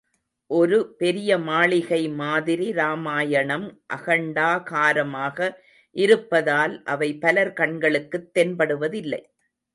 ஒரு பெரிய மாளிகை மாதிரி ராமாயணம் அகண்டாகாரமாக இருப்பதால், அவை பலர் கண்களுக்குத் தென்படுவதில்லை.